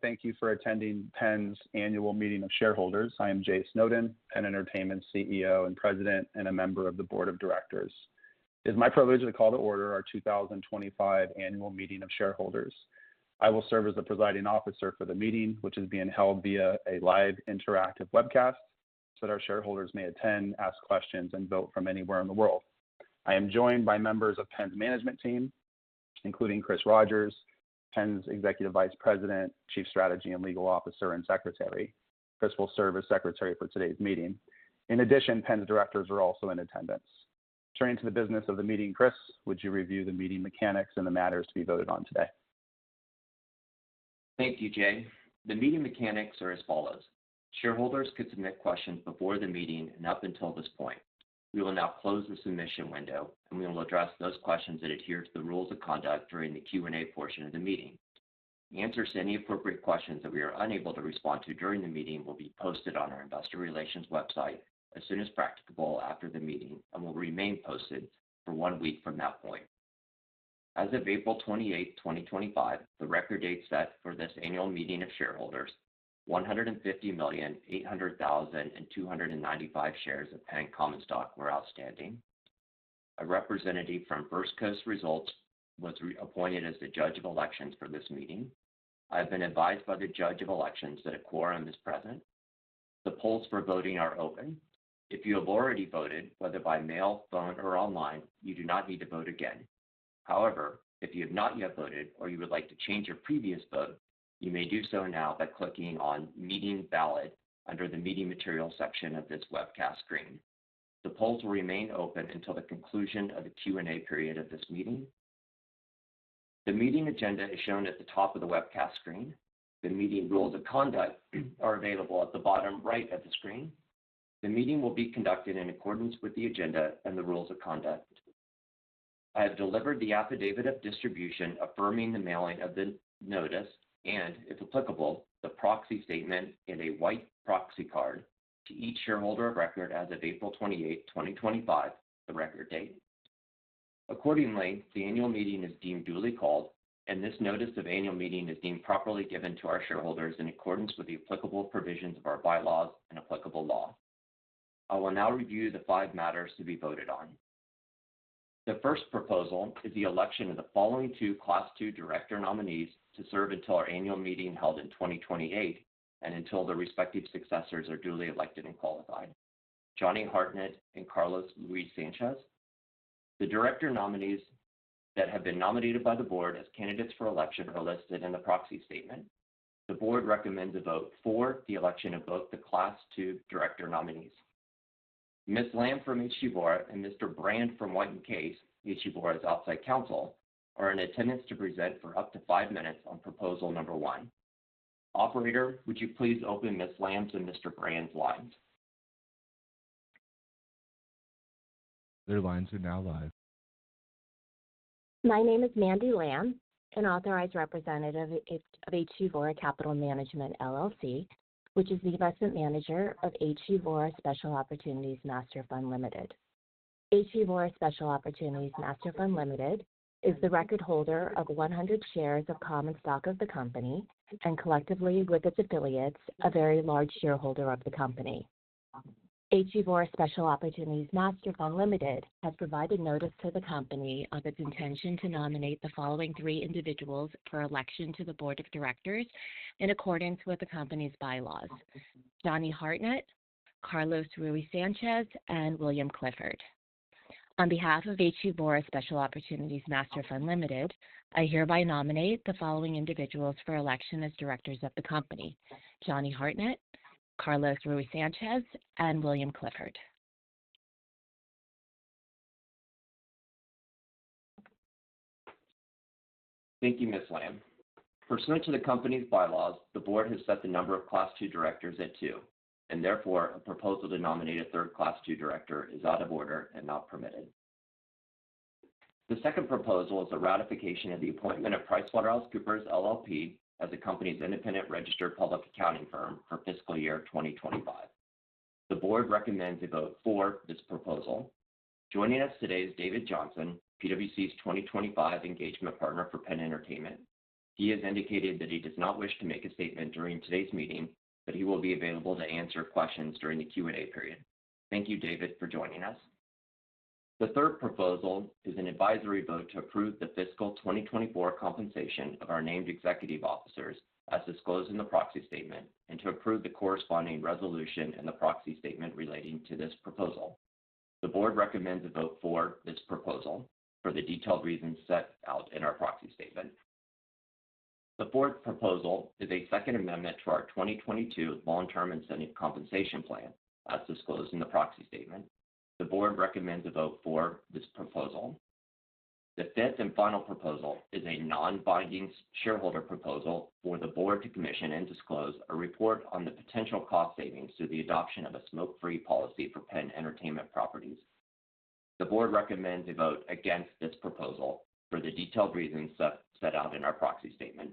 Thank you for attending PENN's Annual Meeting of Shareholders. I am Jay Snowden, PENN Entertainment's CEO and President, and a member of the Board of Directors. It is my privilege to call to order our 2025 Annual Meeting of Shareholders. I will serve as the presiding officer for the meeting, which is being held via a live interactive webcast so that our shareholders may attend, ask questions, and vote from anywhere in the world. I am joined by members of PENN's management team, including Chris Rogers, PENN's Executive Vice President, Chief Strategy and Legal Officer, and Secretary. Chris will serve as secretary for today's meeting. In addition, PENN's Directors are also in attendance. Turning to the business of the meeting, Chris, would you review the meeting mechanics and the matters to be voted on today? Thank you, Jay. The meeting mechanics are as follows: shareholders could submit questions before the meeting and up until this point. We will now close the submission window, and we will address those questions that adhere to the rules of conduct during the Q&A portion of the meeting. Answers to any appropriate questions that we are unable to respond to during the meeting will be posted on our investor relations website as soon as practicable after the meeting and will remain posted for one week from that point. As of April 28, 2025, the record date set for this Annual Meeting of Shareholders, 150,800,295 shares of PENN Common stock were outstanding. A representative from First Coast Results was appointed as the judge of elections for this meeting. I have been advised by the judge of elections that a quorum is present. The polls for voting are open. If you have already voted, whether by mail, phone, or online, you do not need to vote again. However, if you have not yet voted or you would like to change your previous vote, you may do so now by clicking on "Meeting Valid" under the meeting material section of this webcast screen. The polls will remain open until the conclusion of the Q&A period of this meeting. The meeting agenda is shown at the top of the webcast screen. The meeting rules of conduct are available at the bottom right of the screen. The meeting will be conducted in accordance with the agenda and the rules of conduct. I have delivered the affidavit of distribution affirming the mailing of the notice and, if applicable, the proxy statement and a white proxy card to each shareholder of record as of April 28, 2025, the record date. Accordingly, the annual meeting is deemed duly called, and this notice of annual meeting is deemed properly given to our shareholders in accordance with the applicable provisions of our bylaws and applicable law. I will now review the five matters to be voted on. The first proposal is the election of the following two Class II Director nominees to serve until our annual meeting held in 2028 and until the respective successors are duly elected and qualified: Johnny Hartnett and Carlos Ruisanchez. The director nominees that have been nominated by the board as candidates for election are listed in the proxy statement. The board recommends a vote for the election of both the Class II Director nominees. Ms. Lamb from HG Vora and Mr. Brand from White & Case, HG Vora's outside counsel, are in attendance to present for up to five minutes on proposal number one. Operator, would you please open Ms. Lamb's and Mr. Brand's lines? Their lines are now live. My name is Mandy Lamb, an authorized representative of HG Vora Capital Management LLC, which is the investment manager of HG Vora Special Opportunities Master Fund Ltd. HG Vora Special Opportunities Master Fund Ltd is the record holder of 100 shares of common stock of the company and collectively with its affiliates a very large shareholder of the company. HG Vora Special Opportunities Master Fund Ltd has provided notice to the company of its intention to nominate the following three individuals for election to the board of directors in accordance with the company's bylaws: Johnny Hartnett, Carlos Ruisanchez, and William Clifford. On behalf of HG Vora Special Opportunities Master Fund Ltd, I hereby nominate the following individuals for election as directors of the company: Johnny Hartnett, Carlos Ruisanchez, and William Clifford. Thank you, Ms. Lamb. Pursuant to the company's bylaws, the board has set the number of Class II Directors at two, and therefore a proposal to nominate a third Class II Director is out of order and not permitted. The second proposal is the ratification of the appointment of PricewaterhouseCoopers LLP as the company's independent registered public accounting firm for fiscal year 2025. The board recommends a vote for this proposal. Joining us today is David Johnson, PwC's 2025 engagement partner for PENN Entertainment. He has indicated that he does not wish to make a statement during today's meeting, but he will be available to answer questions during the Q&A period. Thank you, David, for joining us. The third proposal is an advisory vote to approve the fiscal 2024 compensation of our named executive officers, as disclosed in the proxy statement, and to approve the corresponding resolution in the proxy statement relating to this proposal. The board recommends a vote for this proposal for the detailed reasons set out in our proxy statement. The fourth proposal is a second amendment to our 2022 long-term incentive compensation plan, as disclosed in the proxy statement. The board recommends a vote for this proposal. The fifth and final proposal is a non-binding shareholder proposal for the board to commission and disclose a report on the potential cost savings to the adoption of a smoke-free policy for PENN Entertainment properties. The board recommends a vote against this proposal for the detailed reasons set out in our proxy statement.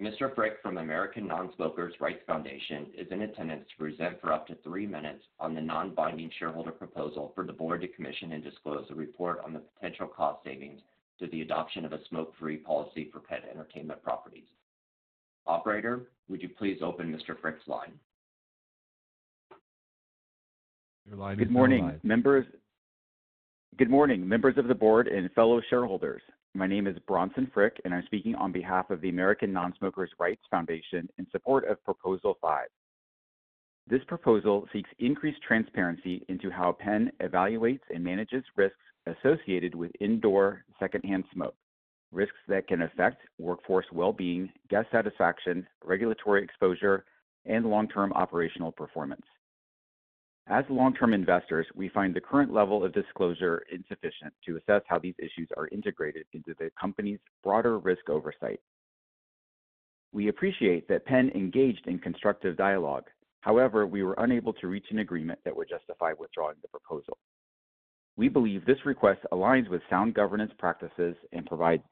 Mr. Frick from American Nonsmokers' Rights Foundation is in attendance to present for up to three minutes on the non-binding shareholder proposal for the board to commission and disclose a report on the potential cost savings to the adoption of a smoke-free policy for PENN Entertainment properties. Operator, would you please open Mr. Frick's line? Good morning, members of the board and fellow shareholders. My name is Bronson Frick, and I'm speaking on behalf of the American Nonsmokers' Rights Foundation in support of proposal five. This proposal seeks increased transparency into how PENN evaluates and manages risks associated with indoor secondhand smoke, risks that can affect workforce well-being, guest satisfaction, regulatory exposure, and long-term operational performance. As long-term investors, we find the current level of disclosure insufficient to assess how these issues are integrated into the company's broader risk oversight. We appreciate that PENN engaged in constructive dialogue. However, we were unable to reach an agreement that would justify withdrawing the proposal. We believe this request aligns with sound governance practices and provides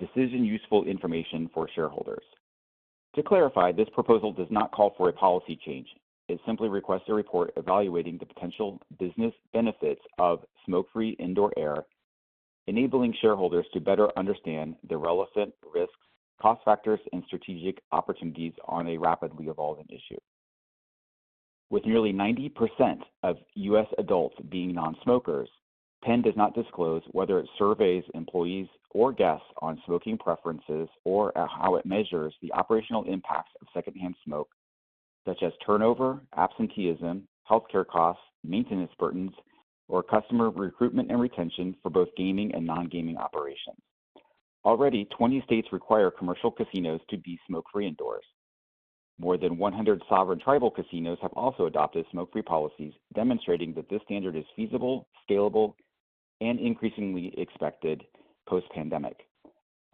decision-useful information for shareholders. To clarify, this proposal does not call for a policy change. It simply requests a report evaluating the potential business benefits of smoke-free indoor air, enabling shareholders to better understand the relevant risks, cost factors, and strategic opportunities on a rapidly evolving issue. With nearly 90% of U.S. adults being non-smokers, PENN does not disclose whether it surveys employees or guests on smoking preferences or how it measures the operational impacts of secondhand smoke, such as turnover, absenteeism, healthcare costs, maintenance burdens, or customer recruitment and retention for both gaming and non-gaming operations. Already, 20 states require commercial casinos to be smoke-free indoors. More than 100 sovereign tribal casinos have also adopted smoke-free policies, demonstrating that this standard is feasible, scalable, and increasingly expected post-pandemic.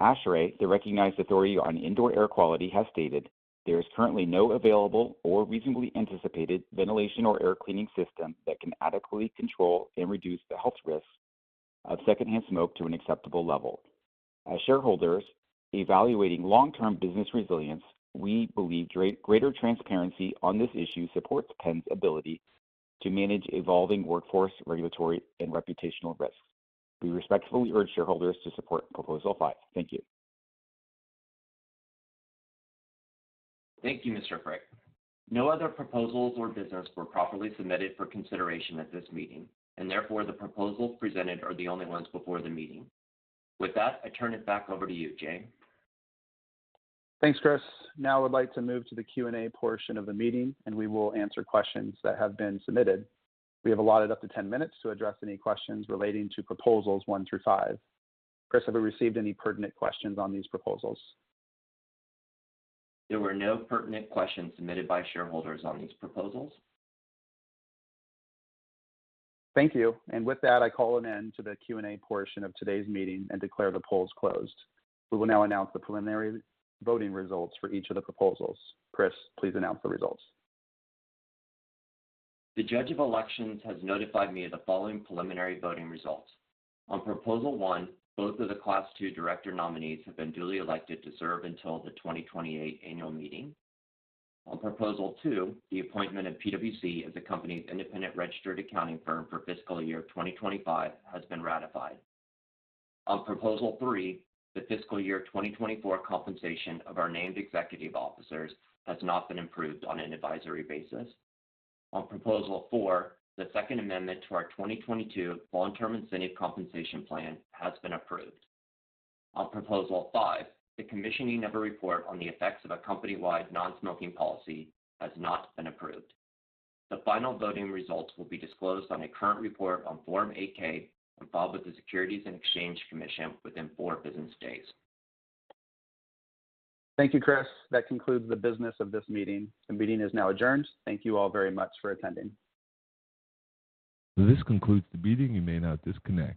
ASHRAE, the recognized authority on indoor air quality, has stated there is currently no available or reasonably anticipated ventilation or air cleaning system that can adequately control and reduce the health risks of secondhand smoke to an acceptable level. As shareholders evaluating long-term business resilience, we believe greater transparency on this issue supports PENN's ability to manage evolving workforce, regulatory, and reputational risks. We respectfully urge shareholders to support proposal five. Thank you. Thank you, Mr. Frick. No other proposals or business were properly submitted for consideration at this meeting, and therefore the proposals presented are the only ones before the meeting. With that, I turn it back over to you, Jay. Thanks, Chris. Now I would like to move to the Q&A portion of the meeting, and we will answer questions that have been submitted. We have allotted up to 10 minutes to address any questions relating to proposals one through five. Chris, have we received any pertinent questions on these proposals? There were no pertinent questions submitted by shareholders on these proposals. Thank you. With that, I call an end to the Q&A portion of today's meeting and declare the polls closed. We will now announce the preliminary voting results for each of the proposals. Chris, please announce the results. The judge of elections has notified me of the following preliminary voting results. On proposal one, both of the Class II Director nominees have been duly elected to serve until the 2028 annual meeting. On proposal two, the appointment of PwC as the company's independent registered public accounting firm for fiscal year 2025 has been ratified. On proposal three, the fiscal year 2024 compensation of our named executive officers has not been approved on an advisory basis. On proposal four, the second amendment to our 2022 long-term incentive compensation plan has been approved. On proposal five, the commissioning of a report on the effects of a company-wide non-smoking policy has not been approved. The final voting results will be disclosed on a current report on Form 8-K and filed with the Securities and Exchange Commission within four business days. Thank you, Chris. That concludes the business of this meeting. The meeting is now adjourned. Thank you all very much for attending. This concludes the meeting. You may now disconnect.